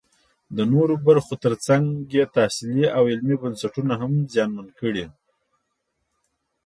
د نورو برخو ترڅنګ تحصیلي او علمي بنسټونه هم زیانمن کړي